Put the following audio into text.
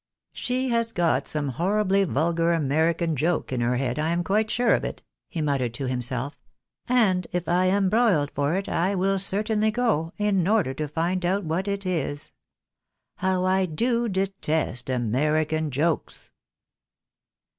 " She has got some horribly vulgar American joke in her head, I am quite sure of it," he muttered to himself. " And if I am broiled for it, I will certainly go, in order to find out what it is. How I do detest American jokes